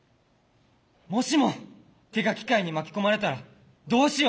「もしも手が機械に巻き込まれたらどうしよう」。